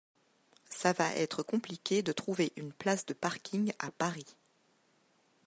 Ça va être compliqué de trouver une place de parking à Paris.